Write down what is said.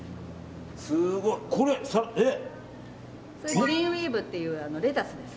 これはグリーンウェーブというレタスです。